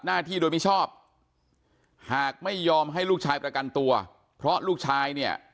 หน้าที่โดยมิชอบหากไม่ยอมให้ลูกชายประกันตัวเพราะลูกชายเนี่ย